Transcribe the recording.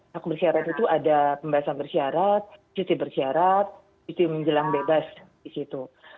hak bersyarat itu ada pembebasan bersyarat sisi bersyarat sisi menjelang bebas di situ